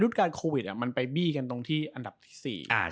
การโควิดอ่ะมันไปบี้กันตรงที่อันดับที่๔